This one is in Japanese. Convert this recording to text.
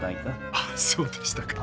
あっそうでしたか。